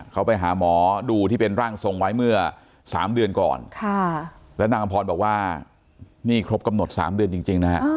เขาไปหาหมอดูที่เป็นร่างทรงไว้เมื่อ๓เดือนก่อนแล้วนางอำพรบอกว่านี่ครบกำหนด๓เดือนจริงนะฮะ